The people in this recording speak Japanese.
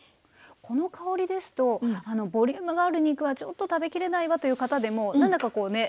この香りですとボリュームがある肉はちょっと食べきれないわという方でも何だかこうね